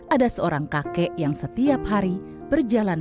ada seorang kakek yang setiap hari berjalan